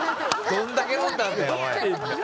どんだけ飲んだんだよおい。